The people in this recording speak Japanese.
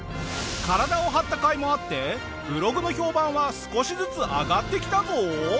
体を張ったかいもあってブログの評判は少しずつ上がってきたぞ！